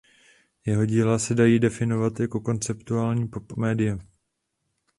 Jeho díla se dají definovat jako konceptuální pop média.